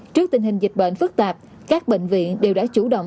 trước tình hình dịch bệnh phức tạp các bệnh viện đều đã chủ động